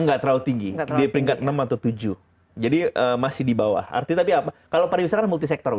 enggak terlalu tinggi di peringkat enam atau tujuh jadi masih di bawah artinya tapi apa kalau pariwisata kan multi sektor unik